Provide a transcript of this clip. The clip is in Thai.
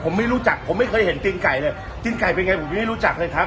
ผมไม่รู้จักผมไม่เคยเห็นตีนไก่เลยตีนไก่เป็นไงผมยังไม่รู้จักเลยครับ